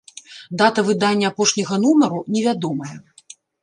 Дата выдання апошняга нумару невядомая.